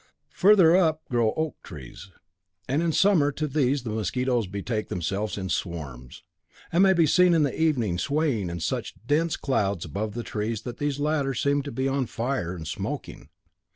Further up grow oak trees, and in summer to these the mosquitoes betake themselves in swarms, and may be seen in the evening swaying in such dense clouds above the trees that these latter seem to be on fire and smoking.